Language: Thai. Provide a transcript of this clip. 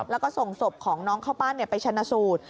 แล้วก็ส่งศพของน้องเข้าปั้นไปชนะสูตร